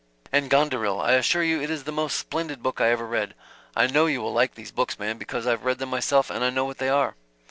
And 'Gonderil,' I assure you it is the most splendid book I ever read. I know you will like these books, ma'm, because I've read them myself and I know what they are."